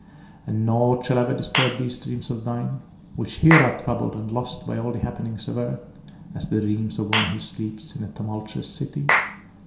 And nought shall ever disturb these dreams of thine which here are troubled and lost by all the happenings of earth, as the dreams of one who sleeps in a tumultuous city.